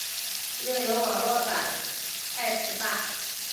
另有网络版爱词霸。